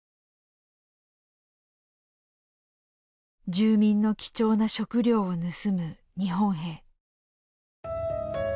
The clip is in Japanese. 住民の貴重な食料を盗む日本兵。